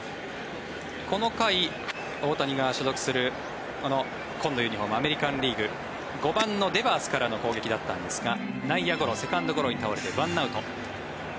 この回、大谷が所属する紺のユニホームアメリカン・リーグ５番のデバースからの攻撃だったんですが内野ゴロ、セカンドゴロに倒れて１アウト。